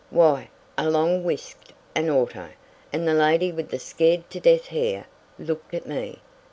Why, along whisked an auto, and the lady with the scared to death hair looked at me.